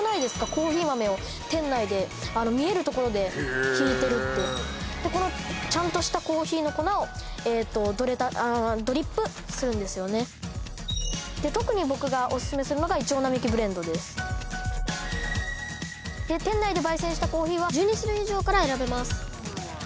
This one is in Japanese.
コーヒー豆を店内で見えるところでへえ挽いてるってこのちゃんとしたコーヒーの粉をえっとドリップするんですよねで特に僕がオススメするのがで店内で焙煎したコーヒーは１２種類以上から選べます